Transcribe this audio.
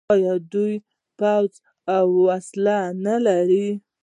آیا دوی پوځ او وسلې نلري؟